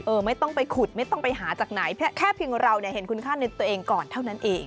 ไม่ต้องไปขุดไม่ต้องไปหาจากไหนแค่เพียงเราเนี่ยเห็นคุณค่าในตัวเองก่อนเท่านั้นเอง